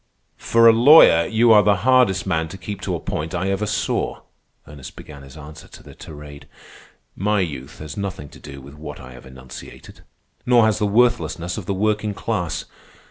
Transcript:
"For a lawyer, you are the hardest man to keep to a point I ever saw," Ernest began his answer to the tirade. "My youth has nothing to do with what I have enunciated. Nor has the worthlessness of the working class.